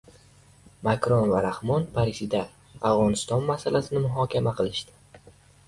Makron va Rahmon Parijda Afg‘oniston masalasini muhokama qilishdi